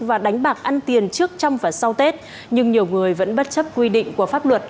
và đánh bạc ăn tiền trước trong và sau tết nhưng nhiều người vẫn bất chấp quy định của pháp luật